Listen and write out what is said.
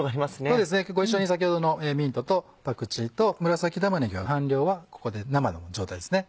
そうですねご一緒に先ほどのミントとパクチーと紫玉ねぎの半量はここで生の状態ですね。